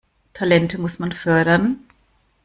Talente muss man fördern.